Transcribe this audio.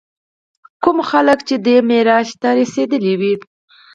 کوم خلک چې دې معراج ته رسېدلي وي.